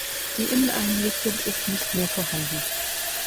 Die Inneneinrichtung ist nicht mehr vorhanden.